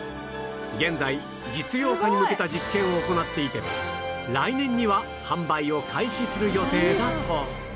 現在実用化に向けた実験を行っていて来年には販売を開始する予定だそう